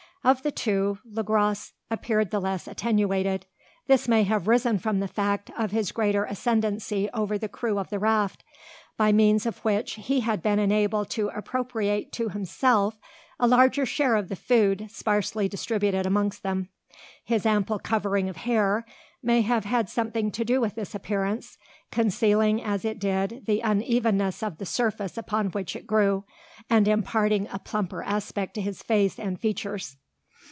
Of the two, Le Gros appeared the less attenuated. This may have arisen from the fact of his greater ascendency over the crew of the raft, by means of which he had been enabled to appropriate to himself a larger share of the food sparsely distributed amongst them. His ample covering of hair may have had something to do with this appearance, concealing as it did the unevenness of the surface upon which it grew, and imparting a plumper aspect to his face and features.